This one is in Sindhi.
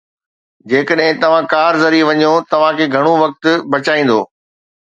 جيڪڏهن توهان ڪار ذريعي وڃو، توهان کي گهڻو وقت بچائيندو.